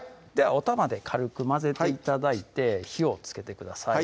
おたまで軽く混ぜて頂いて火をつけてください